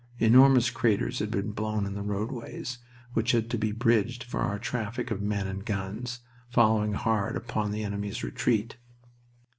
Enormous craters had been blown in the roadways, which had to be bridged for our traffic of men and guns, following hard upon the enemy's retreat.